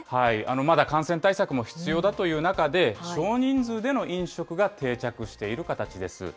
まだ感染対策も必要だという中で、少人数での飲食が定着している形です。